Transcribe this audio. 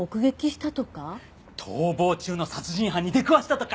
逃亡中の殺人犯に出くわしたとか！